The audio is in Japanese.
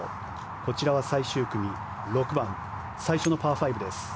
こちらは最終組６番、最初のパー５です。